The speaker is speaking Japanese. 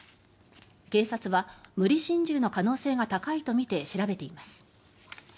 警察は、無理心中の可能性が高いとみて調べています。